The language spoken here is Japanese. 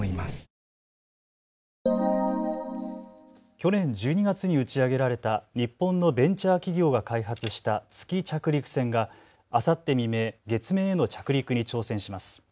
去年１２月に打ち上げられた日本のベンチャー企業が開発した月着陸船があさって未明、月面への着陸に挑戦します。